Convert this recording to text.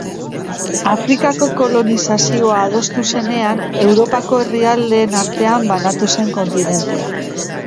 Afrikako kolonizazioa adostu zenean, Europako herrialdeen artean banatu zen kontinentea.